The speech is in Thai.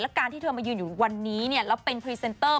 การที่เธอมายืนอยู่วันนี้แล้วเป็นพรีเซนเตอร์